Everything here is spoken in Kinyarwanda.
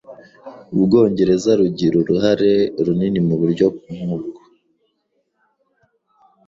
Ubwongereza rugira uruhare runini Mu buryo nkubwo